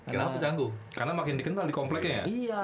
kenapa canggung karena makin dikenal di kompleknya ya